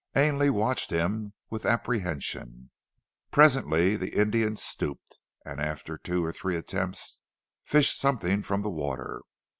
Ainley watched him with apprehension. Presently the Indian stooped, and after two or three attempts fished something from the water.